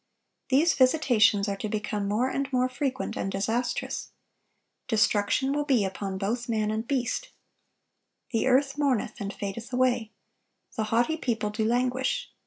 These visitations are to become more and more frequent and disastrous. Destruction will be upon both man and beast. "The earth mourneth and fadeth away," "the haughty people ... do languish.